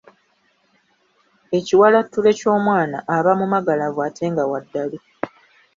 Ekiwalattule ky'omwana aba mumagalavu ate nga wa ddalu.